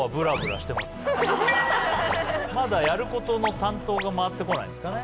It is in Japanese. まだやることの担当が回ってこないんですかね。